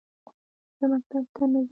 زه مکتب ته نه ځم